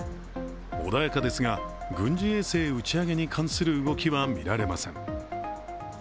穏やかですが、軍事衛星打ち上げに関する動きはみられません。